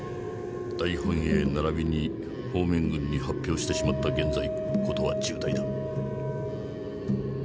大本営ならびに方面軍に発表してしまった現在事は重大だ。